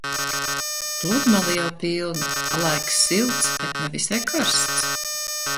Pludmale jau pilna. Laiks silts, bet ne visai karsts.